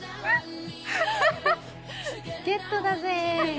ゲットだぜ！